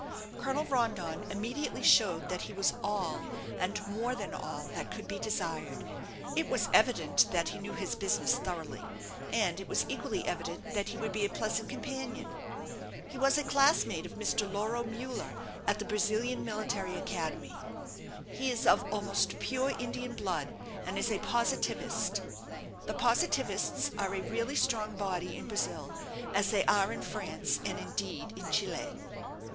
Colonel Rondon immediately showed that he was all, and more than all, that could be desired. It was evident that he knew his business thoroughly, and it was equally evident that he would be a pleasant companion. He was a classmate of Mr. Lauro Muller at the Brazilian Military Academy. He is of almost pure Indian blood, and is a Positivist the Positivists are a really strong body in Brazil, as they are in France and indeed in Chile.